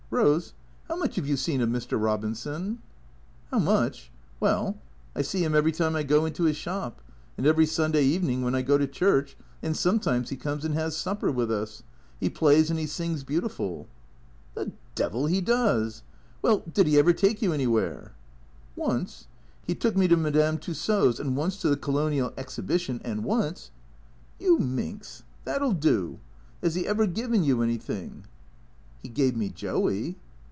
Eose, how much have you seen of Mr. Eobinson?" " How much ? Well — I see him every time I go into his shop. And every Sunday evening when I go to church. And sometimes he comes and has supper with us. 'E plays and 'e sings beautiful." " The devil he does ! Well, did he ever take you anywhere ?"" Once — he took me to Madame Tussaws ; and once to the Colonial Exhibition; and once " THE CREATORS 53 " You minx. That '11 do. Has he ever given you any thing?" " He gave me Joey."